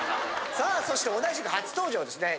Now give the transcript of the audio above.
さあそして同じく初登場はですね